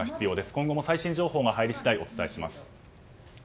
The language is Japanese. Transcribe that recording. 今後も最新情報が入り次第お伝えします。